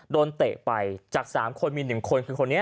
เตะไปจาก๓คนมี๑คนคือคนนี้